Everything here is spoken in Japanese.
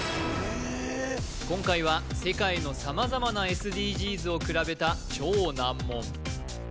今回は世界の様々なＳＤＧｓをくらべた超難問